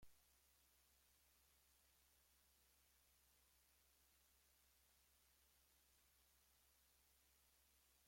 Therefore, ball bearings made of silicon nitride ceramic are used in performance bearings.